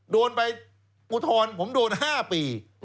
โดนไปกุธรผมโดน๕ปี